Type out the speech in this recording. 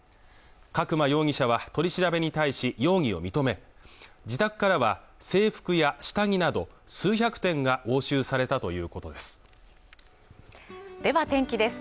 角間容疑者は取り調べに対し容疑を認め自宅からは制服や下着など数百点が押収されたということですでは天気です